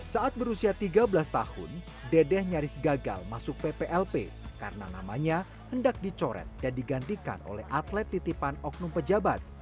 saat berusia tiga belas tahun dedeh nyaris gagal masuk pplp karena namanya hendak dicoret dan digantikan oleh atlet titipan oknum pejabat